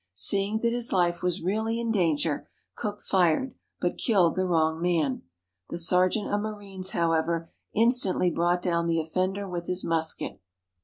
Seeing that his life was really in danger, Cook fired, but killed the wrong man. The sergeant of marines, however, instantly brought down the offender with his musket.